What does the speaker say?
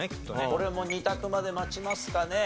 これも２択まで待ちますかね？